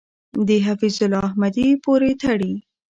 د حفیظ الله احمدی پورې تړي .